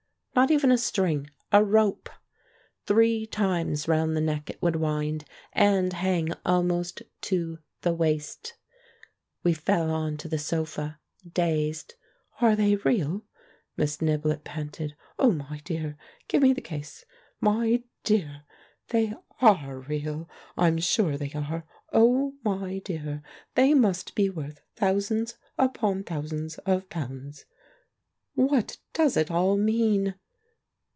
'Not even a string — a "rope"! Three times round the neck it would wind, and hang almost to the waist. We fell on to the sofa, dazed. "Are they real?" Miss Niblett panted. "Oh, my dear! Give me the case. My dear! They are real, I'm sure they are. Oh, my dear! they must be worth thousands upon thousands of pounds. What does it all mean?"